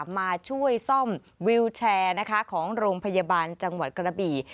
มาช่วยซ่อมวิวแชร์ของโรงพยาบาลจังหวัดกระบี่